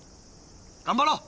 頑張ろう。